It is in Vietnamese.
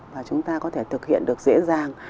và chúng ta có thể thực hiện được dễ dàng